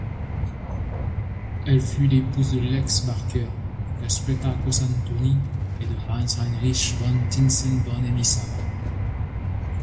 Elle fut l'épouse de Lex Barker, d'Espartaco Santoni et de Hans Heinrich von Thyssen-Bornemisza.